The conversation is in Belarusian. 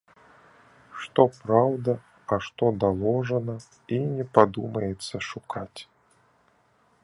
Што праўда, а што даложана, і не падумаецца шукаць.